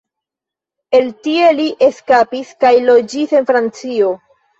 El tie li eskapis kaj loĝis en Francio.